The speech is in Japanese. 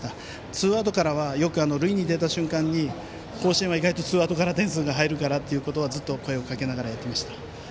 ツーアウトからはよく塁に出た瞬間に甲子園は意外とツーアウトから点数が入るからとはずっと声をかけながらやっていました。